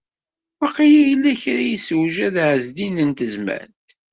Waqila yella kra i d-yessewjad Ɛezdin n Tezmalt.